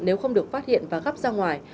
nếu không được phát hiện và gắp ra ngoài